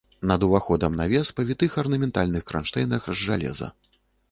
Над уваходам навес па вітых арнаментальных кранштэйнах з жалеза.